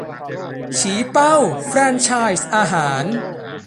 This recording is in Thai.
ชี้เป้าแฟรนไชส์อาหาร